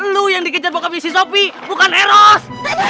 lu yang dikejar bokapnya si sopi bukan eros